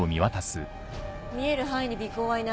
見える範囲に尾行はいない。